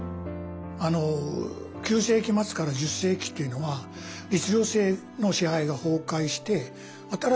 ９世紀末から１０世紀っていうのは律令制の支配が崩壊して新しい社会になってきて。